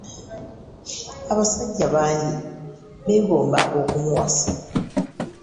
Abasajja bangi beegomba okumuwasa.